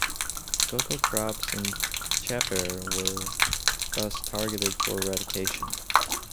Coca crops in Chapare were thus targeted for eradication.